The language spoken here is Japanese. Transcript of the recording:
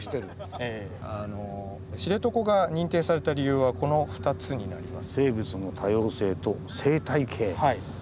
知床が認定された理由はこの２つになります。